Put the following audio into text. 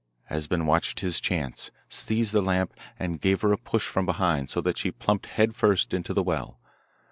Esben watched his chance, seized the lamp, and gave her a push from behind, so that she plumped head first into the well.